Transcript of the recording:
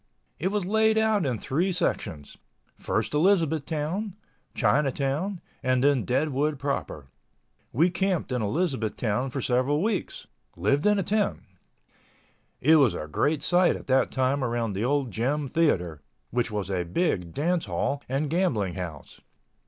It was laid out in three sections: first Elizabeth Town, Chinatown and then Deadwood proper. We camped in Elizabeth Town for several weeks—lived in a tent. It was a great sight at that time around the old Gem Theatre, which was a big dance hall and gambling house.